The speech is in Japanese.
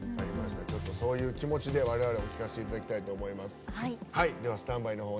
そういう気持ちでわれわれも聴かせていただきたいと思います。